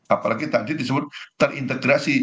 apalagi tadi disebut terintegrasi